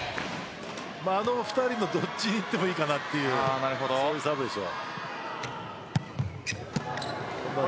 あの２人のどっちにいってもいいかなというサーブでした。